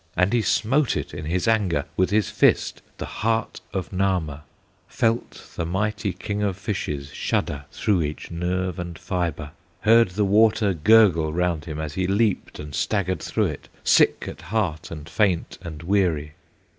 And he smote it in his anger, With his fist, the heart of Nahma, Felt the mighty King of Fishes Shudder through each nerve and fibre, Heard the water gurgle round him As he leaped and staggered through it, Sick at heart, and faint and weary.